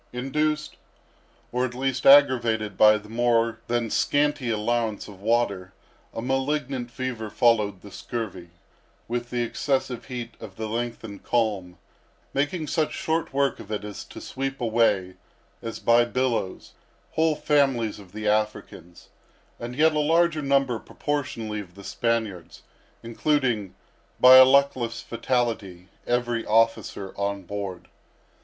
Induced, or at least aggravated, by the more than scanty allowance of water, a malignant fever followed the scurvy; with the excessive heat of the lengthened calm, making such short work of it as to sweep away, as by billows, whole families of the Africans, and a yet larger number, proportionably, of the Spaniards, including, by a luckless fatality, every remaining officer on board.